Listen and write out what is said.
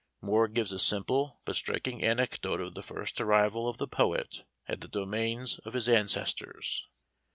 Moore gives a simple but striking anecdote of the first arrival of the poet at the domains of his ancestors.